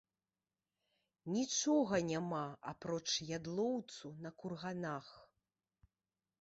Нічога няма, апроч ядлоўцу на курганах.